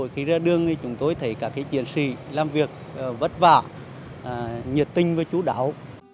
khi ra đường thì chúng tôi thấy cả các chiến sĩ làm việc vất vả nhiệt tinh và chú đảo